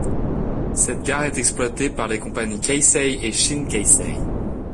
Cette gare est exploitée par les compagnies Keisei et Shin-Keisei.